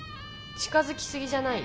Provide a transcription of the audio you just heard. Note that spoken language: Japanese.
近づきすぎじゃない？